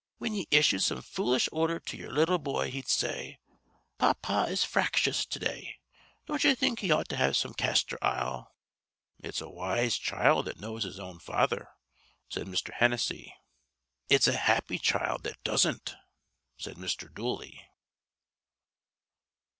Whin ye issued some foolish ordher to ye'er little boy he'd say: 'Pah pah is fractious to day. Don't ye think he ought to have some castor ile?'" "It's a wise child that knows his own father," said Mr. Hennessy. "It's a happy child that doesn't," said Mr. Dooley.